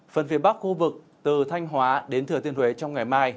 phần phía bắc khu vực từ thanh hóa đến thừa tiên huế trong ngày mai